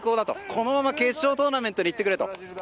このまま決勝トーナメントに行ってくれと。